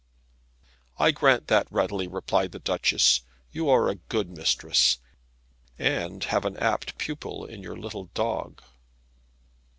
"I grant that readily," replied the Duchess, "you are a good mistress, and have an apt pupil in your little dog."